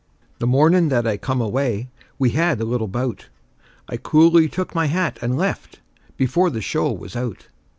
The mornin' that I come away, we had a little bout; I coolly took my hat and left, before the show was out.